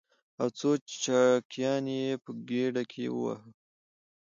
او څو چاقيانې يې په ګېډه کې ووهو.